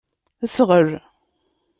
Sɣel.